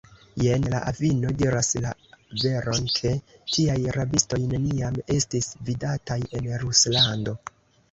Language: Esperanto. Jen la avino diras la veron, ke tiaj rabistoj neniam estis vidataj en Ruslando.